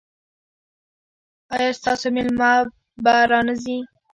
ایا ستاسو میلمه به را نه ځي؟